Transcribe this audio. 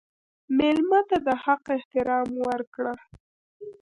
مېلمه ته د حق احترام ورکړه.